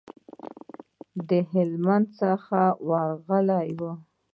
د هلمند څخه ورغلي وو.